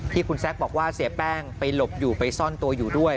ที่คุณแซคบอกว่าเสียแป้งไปหลบอยู่ไปซ่อนตัวอยู่ด้วย